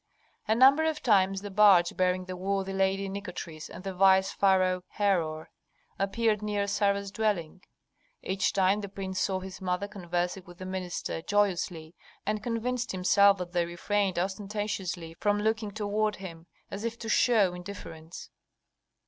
A number of times the barge bearing the worthy lady Nikotris and the vice pharaoh Herhor appeared near Sarah's dwelling. Each time the prince saw his mother conversing with the minister joyously, and convinced himself that they refrained ostentatiously from looking toward him, as if to show indifference.